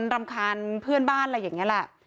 รำคาญเพื่อนบ้านอะไรอย่างนี้แหละ